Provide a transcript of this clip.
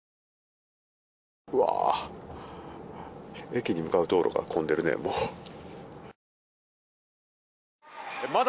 うわ、駅に向かう道路が混んでいます。